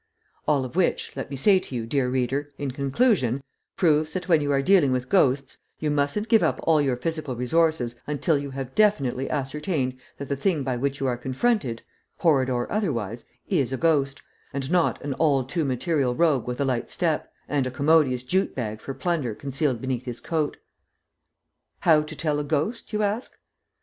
All of which, let me say to you, dear reader, in conclusion, proves that when you are dealing with ghosts you mustn't give up all your physical resources until you have definitely ascertained that the thing by which you are confronted, horrid or otherwise, is a ghost, and not an all too material rogue with a light step, and a commodious jute bag for plunder concealed beneath his coat. "How to tell a ghost?" you ask.